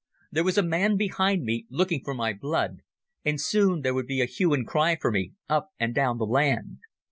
There was a man behind me looking for my blood, and soon there would be a hue and cry for me up and down the land.